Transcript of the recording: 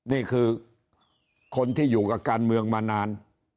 นี่คือคนที่อยู่กับการเมืองมานาน